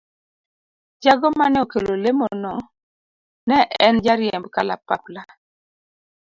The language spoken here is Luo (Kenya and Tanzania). Jago mane okelo lemo no ne en jariemb kalapapla.